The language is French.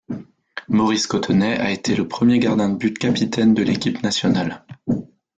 Maurice Cottenet a été le premier gardien de but capitaine de l'équipe nationale.